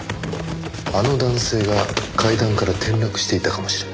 あの男性が階段から転落していたかもしれない。